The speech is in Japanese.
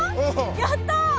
やった！